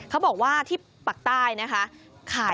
เขาบอกว่าที่ปากใต้นะคะ